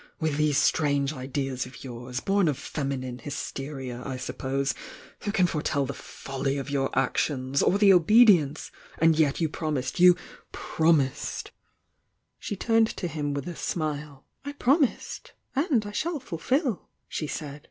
With these strange ideas of yours— born of feminine hysteria. I suppose— who can foretell the folly of your a^ tions?— or the obedience? And yet you promised — you promised " She turned to him vith a smile. "I promised— and I shall fulfil!" she said.